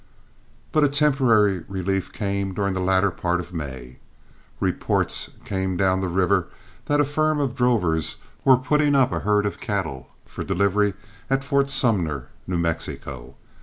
But a temporary relief came during the latter part of May. Reports came down the river that a firm of drovers were putting up a herd of cattle for delivery at Fort Sumner, New Mexico.